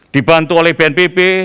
dibantu oleh bnpb